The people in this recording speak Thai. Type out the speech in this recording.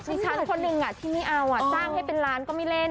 ดิฉันคนหนึ่งที่ไม่เอาจ้างให้เป็นล้านก็ไม่เล่น